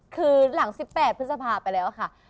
คือหลัง๑๘พฤษภาไปแล้วค่ะ